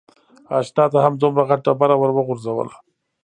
اشنا تا هم دومره غټه ډبره ور و غورځوله.